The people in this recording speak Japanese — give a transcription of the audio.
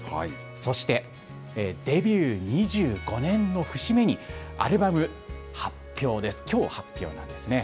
そしてデビュー２５年の節目に、アルバム発表です、きょう発表なんですね。